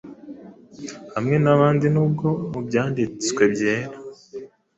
Hamwe nabandi nubwo mubyanditwe Byera